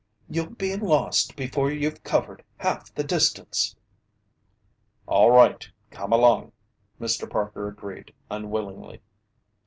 You'll be lost before you've covered half the distance." "All right, come along," Mr. Parker agreed unwillingly.